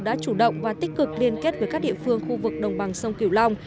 đã chủ động và tích cực liên kết với các địa phương khu vực đồng bằng sông kiều long